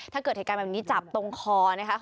ถ้าเกิดเหตุการณ์แบบนี้จับตรงคอนะคะ